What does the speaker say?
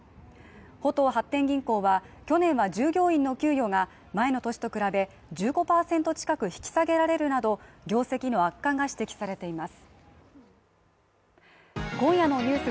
浦東発展銀行は去年は従業員の給与が前の年と比べ１５％近く引き下げられるなど、業績の悪化が指摘されています。